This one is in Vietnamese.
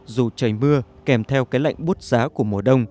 dù trời mưa kèm theo cái lạnh bút giá của mùa đông